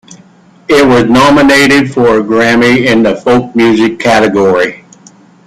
It was nominated for a Grammy in the folk music category.